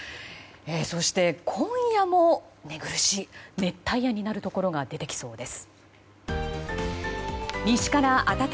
そして、今夜も寝苦しい熱帯夜になるところが出てきそうです。